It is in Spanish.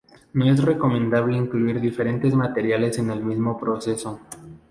No es recomendable incluir diferentes materiales en el mismo proceso.